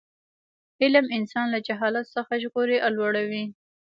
علم انسان له جهالت څخه ژغوري او لوړوي.